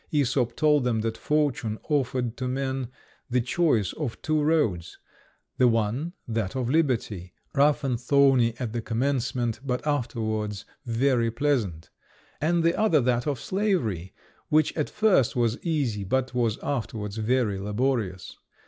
Æsop told them that Fortune offered to men the choice of two roads: the one, that of liberty, rough and thorny at the commencement, but afterwards very pleasant; and the other that of slavery, which at first was easy, but was afterwards very laborious.